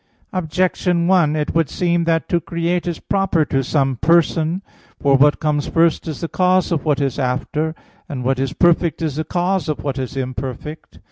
Objection 1: It would seem that to create is proper to some Person. For what comes first is the cause of what is after; and what is perfect is the cause of what is imperfect.